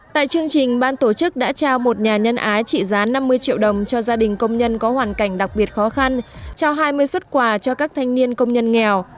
tại chương trình ban tổ chức đã trao một nhà nhân ái trị giá năm mươi triệu đồng cho gia đình công nhân có hoàn cảnh đặc biệt khó khăn trao hai mươi xuất quà cho các thanh niên công nhân nghèo